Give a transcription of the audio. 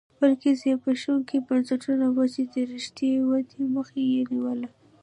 بلکې زبېښونکي بنسټونه وو چې د رښتینې ودې مخه یې نیوله